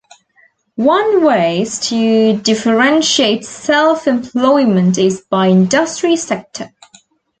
One ways to differentiate self-employment is by industry-sector.